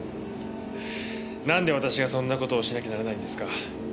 なんで私がそんなことをしなきゃならないんですか？